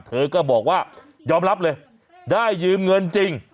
เธอก็บอกว่ายอมรับเลยได้ยืมเงินจริง